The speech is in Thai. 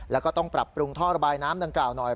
แล้วก็ต้องปรับปรุงท่อระบายน้ำดังกล่าวหน่อย